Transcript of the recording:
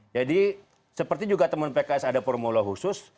jadi seperti juga teman pks ada formula khusus